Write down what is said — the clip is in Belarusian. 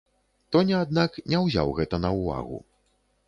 Тоня, аднак, не ўзяў гэта на ўвагу.